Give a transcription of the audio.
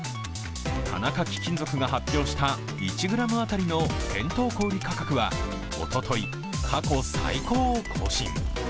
田中貴金属が発表した１ｇ当たりの店頭小売価格はおととい、過去最高を更新。